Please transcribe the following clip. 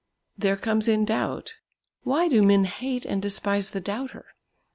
There comes in doubt: Why do men hate and despise the doubter?